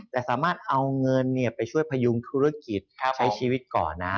แต่สามารถเอาเงินไปช่วยพยุงธุรกิจใช้ชีวิตก่อนนะ